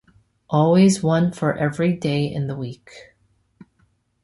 Always one for every day in the week.